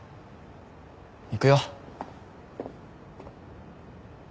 行くよ。